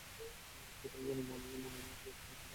কোথাও যেন মনের মাঝে একটু ভালো লাগা তৈরি হয়েছিল তার জন্য।